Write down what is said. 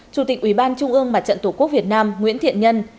chủ tịch ủy ban trung ương mặt trận tổ quốc việt nam nguyễn thiện nhân